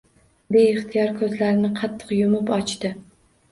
Beixtiyor ko‘zlarini qattiq yumib ochdi.